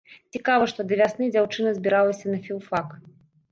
Цікава, што да вясны дзяўчына збіралася на філфак.